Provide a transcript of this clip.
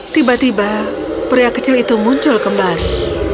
tiba tiba pria kecil itu muncul kembali